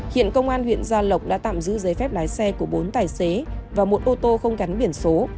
hiện công an huyện gia lộc đã tạm giữ giấy phép lái xe của bốn tài xế và một ô tô không gắn biển số